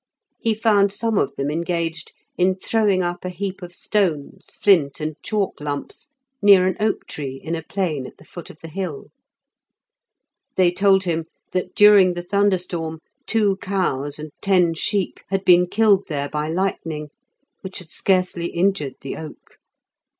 He found some of them engaged in throwing up a heap of stones, flint, and chalk lumps near an oak tree in a plain at the foot of the hill. They told him that during the thunderstorm two cows and ten sheep had been killed there by lightning, which had scarcely injured the oak.